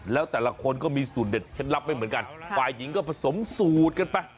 แล้วแต่ละคนก็มีสูตรเด็ดเคล็ดลับไม่เหมือนกันฝ่ายหญิงก็ผสมสูตรกันไป